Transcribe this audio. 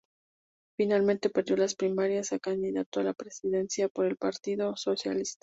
Finalmente perdió las primarias a candidato a la presidencia por el Partido Socialista.